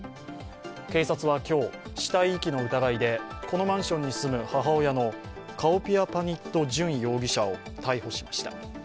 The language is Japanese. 警察は今日、死体遺棄の疑いでこのマンションに住む母親のカオピアパニット・ジュン容疑者を逮捕しました。